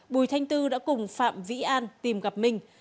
bùi thanh tư đã cùng phạm vĩ an tìm gặp minh